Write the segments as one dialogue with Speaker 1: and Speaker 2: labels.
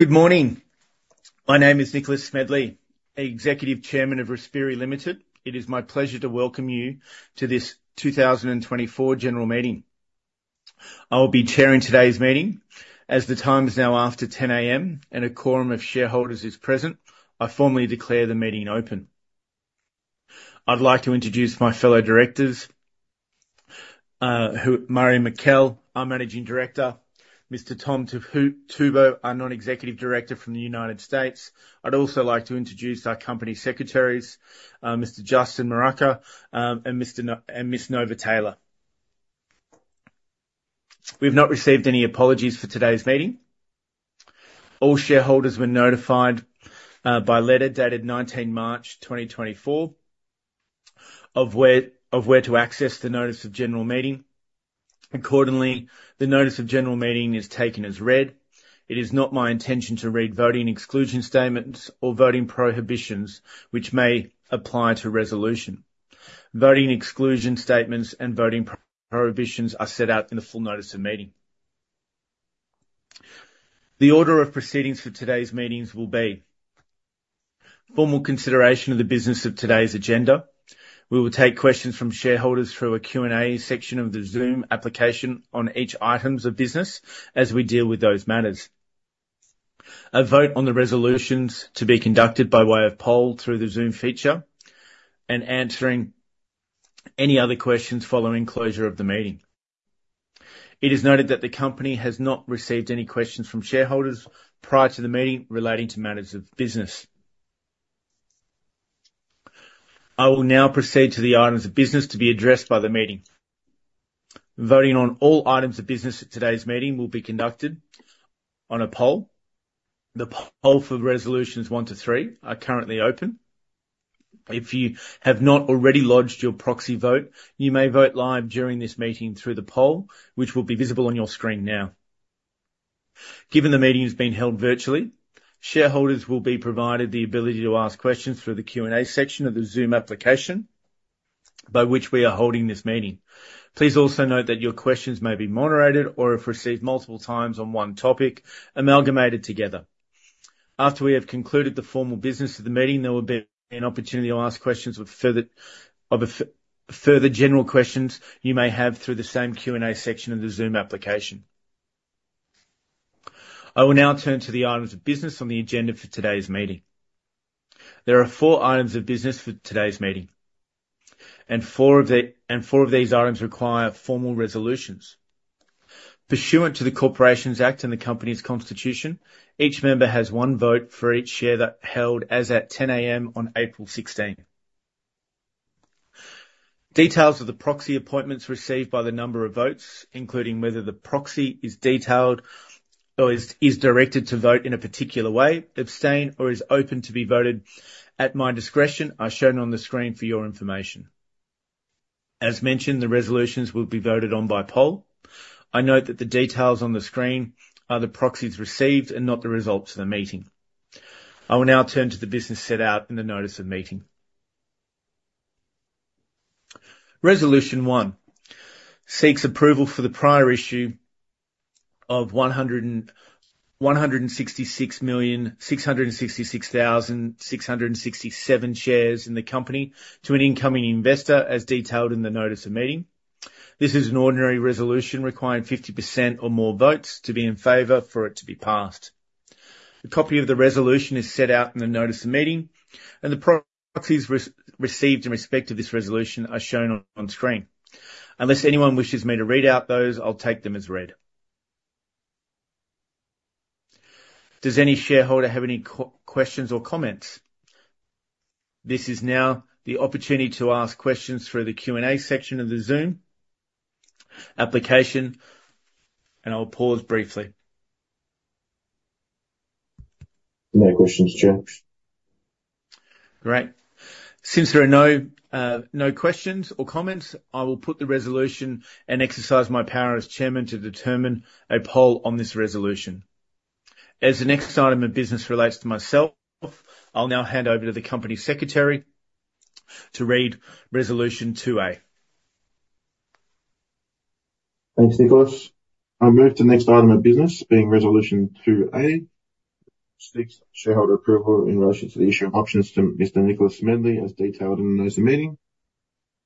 Speaker 1: Good morning. My name is Nicholas Smedley, Executive Chairman of Respiri Limited. It is my pleasure to welcome you to this 2024 general meeting. I will be chairing today's meeting. As the time is now after 10:00 A.M. and a quorum of shareholders is present, I formally declare the meeting open. I'd like to introduce my fellow directors. Marjan Mikel, our Managing Director. Dr. Tom Takubo, our Non-Executive Director from the United States. I'd also like to introduce our company secretaries, Mr. Justin Mouchacca and Miss Nova Taylor. We've not received any apologies for today's meeting. All shareholders were notified by letter dated 19 March 2024 of where to access the notice of general meeting. Accordingly, the notice of general meeting is taken as read. It is not my intention to read voting exclusion statements or voting prohibitions which may apply to resolution. Voting exclusion statements and voting prohibitions are set out in the full notice of meeting. The order of proceedings for today's meetings will be: formal consideration of the business of today's agenda. We will take questions from shareholders through a Q&A section of the Zoom application on each item of business as we deal with those matters. A vote on the resolutions to be conducted by way of poll through the Zoom feature, and answering any other questions following closure of the meeting. It is noted that the company has not received any questions from shareholders prior to the meeting relating to matters of business. I will now proceed to the items of business to be addressed by the meeting. Voting on all items of business at today's meeting will be conducted on a poll. The poll for Resolutions 1 to 3 are currently open. If you have not already lodged your proxy vote, you may vote live during this meeting through the poll which will be visible on your screen now. Given the meeting has been held virtually, shareholders will be provided the ability to ask questions through the Q&A section of the Zoom application by which we are holding this meeting. Please also note that your questions may be moderated or, if received multiple times on one topic, amalgamated together. After we have concluded the formal business of the meeting, there will be an opportunity to ask questions of further general questions you may have through the same Q&A section of the Zoom application. I will now turn to the items of business on the agenda for today's meeting. There are four items of business for today's meeting, and four of these items require formal resolutions. Pursuant to the Corporations Act and the company's constitution, each member has one vote for each share held as at 10:00 A.M. on April 16. Details of the proxy appointments received by the number of votes, including whether the proxy is directed to vote in a particular way, abstain, or is open to be voted at my discretion, are shown on the screen for your information. As mentioned, the resolutions will be voted on by poll. I note that the details on the screen are the proxies received and not the results of the meeting. I will now turn to the business set out in the notice of meeting. Resolution 1 seeks approval for the prior issue of 166,666,667 shares in the company to an incoming investor as detailed in the notice of meeting. This is an ordinary resolution requiring 50% or more votes to be in favor for it to be passed. A copy of the resolution is set out in the notice of meeting, and the proxies received in respect of this resolution are shown on screen. Unless anyone wishes me to read out those, I'll take them as read. Does any shareholder have any questions or comments? This is now the opportunity to ask questions through the Q&A section of the Zoom application, and I will pause briefly.
Speaker 2: No questions, Chair.
Speaker 1: Great. Since there are no questions or comments, I will put the resolution and exercise my power as chairman to determine a poll on this resolution. As the next item of business relates to myself, I'll now hand over to the company secretary to read Resolution 2A.
Speaker 2: Thanks, Nicholas. I move to the next item of business being Resolution 2A, seeks shareholder approval in relation to the issue of options to Mr. Nicholas Smedley as detailed in the notice of meeting.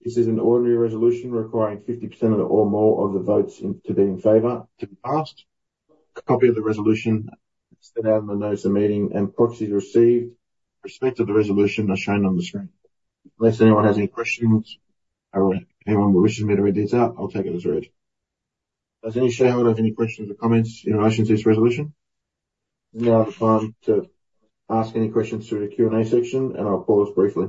Speaker 2: This is an ordinary resolution requiring 50% or more of the votes to be in favor to be passed. A copy of the resolution is set out in the notice of meeting, and proxies received in respect of the resolution are shown on the screen. Unless anyone has any questions or anyone wishes me to read these out, I'll take it as read. Does any shareholder have any questions or comments in relation to this resolution? It's now the time to ask any questions through the Q&A section, and I'll pause briefly.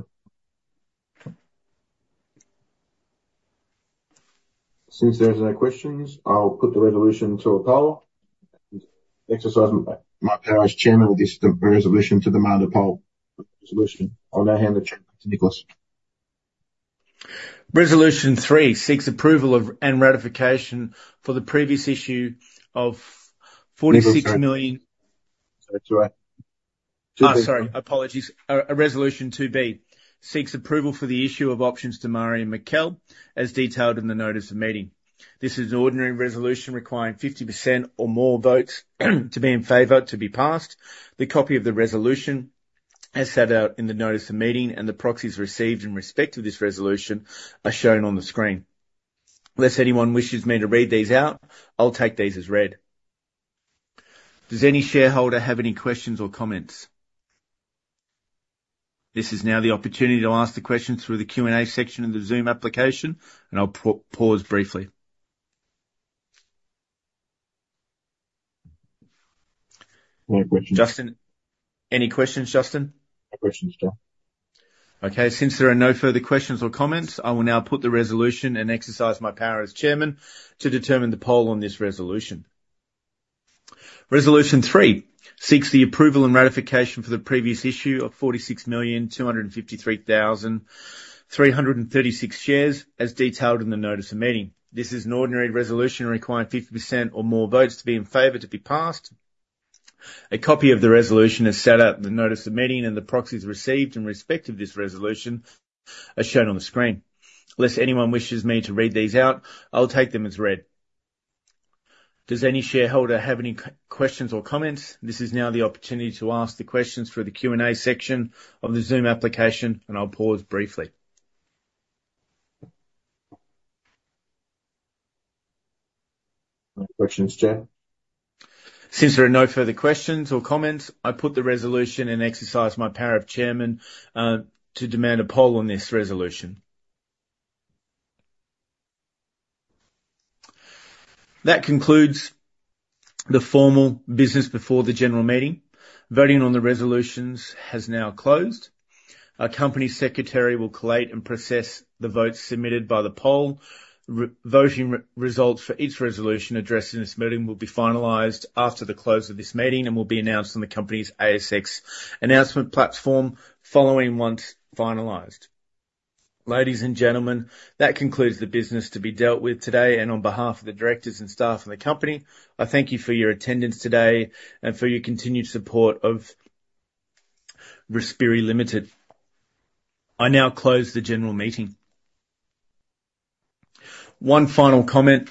Speaker 2: Since there are no questions, I'll put the resolution to a poll and exercise my power as chairman with this resolution to demand a poll. Resolution. I'll now hand the chair back to Nicholas.
Speaker 1: Resolution 3 seeks approval and ratification for the previous issue of 46 million.
Speaker 2: Nicholas. Sorry, 2A. 2B.
Speaker 1: Oh, sorry. Apologies. Resolution 2B seeks approval for the issue of options to Marjan Mikel as detailed in the notice of meeting. This is an ordinary resolution requiring 50% or more votes to be in favor to be passed. The copy of the resolution is set out in the notice of meeting, and the proxies received in respect of this resolution are shown on the screen. Unless anyone wishes me to read these out, I'll take these as read. Does any shareholder have any questions or comments? This is now the opportunity to ask the questions through the Q&A section of the Zoom application, and I'll pause briefly.
Speaker 2: No questions.
Speaker 1: Justin, any questions, Justin?
Speaker 2: No questions, Chair.
Speaker 1: Okay. Since there are no further questions or comments, I will now put the resolution and exercise my power as chairman to determine the poll on this resolution. Resolution 3 seeks the approval and ratification for the previous issue of 46,253,336 shares as detailed in the notice of meeting. This is an ordinary resolution requiring 50% or more votes to be in favour to be passed. A copy of the resolution is set out in the notice of meeting, and the proxies received in respect of this resolution are shown on the screen. Unless anyone wishes me to read these out, I'll take them as read. Does any shareholder have any questions or comments? This is now the opportunity to ask the questions through the Q&A section of the Zoom application, and I'll pause briefly.
Speaker 2: No questions, Chair.
Speaker 1: Since there are no further questions or comments, I put the resolution and exercise my power of chairman to demand a poll on this resolution. That concludes the formal business before the general meeting. Voting on the resolutions has now closed. Our company secretary will collate and process the votes submitted by the poll. Voting results for each resolution addressed in this meeting will be finalized after the close of this meeting and will be announced on the company's ASX announcement platform following once finalized. Ladies and gentlemen, that concludes the business to be dealt with today. And on behalf of the directors and staff of the company, I thank you for your attendance today and for your continued support of Respiri Limited. I now close the general meeting. One final comment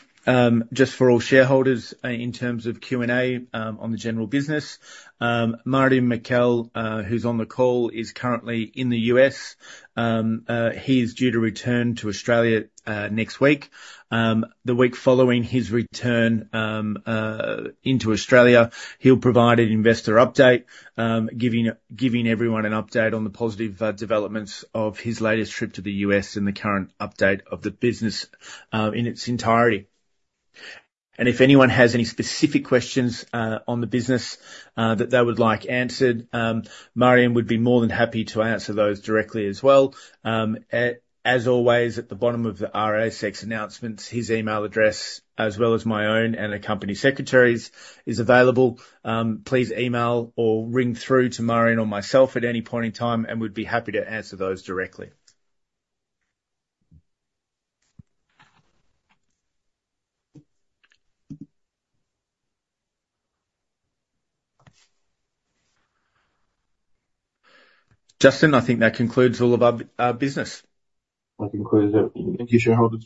Speaker 1: just for all shareholders in terms of Q&A on the general business. Marjan Mikel, who's on the call, is currently in the U.S. He is due to return to Australia next week. The week following his return into Australia, he'll provide an investor update, giving everyone an update on the positive developments of his latest trip to the U.S. and the current update of the business in its entirety. If anyone has any specific questions on the business that they would like answered, Marjan Mikel would be more than happy to answer those directly as well. As always, at the bottom of the ASX announcements, his email address, as well as my own and the company secretary's, is available. Please email or ring through to Marjan Mikel or myself at any point in time, and we'd be happy to answer those directly. Justin, I think that concludes all of our business.
Speaker 2: That concludes it. Thank you, shareholders.